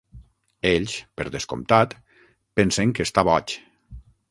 Ells, per descomptat, pensen que està boig.